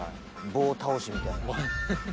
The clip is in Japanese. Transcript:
棒倒しみたいな。